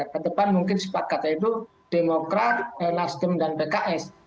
kedepan mungkin sepakat yaitu demokrat nasdem dan bks